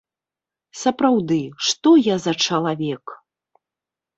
Сапраўды, што я за чалавек!